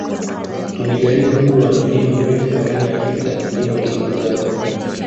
Tumejaliwa kuwa na mlima mrefu barani afrika mlima kilimanjaro